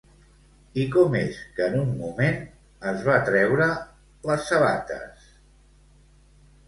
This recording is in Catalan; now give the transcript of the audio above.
I com és que en un moment es va treure les sabates?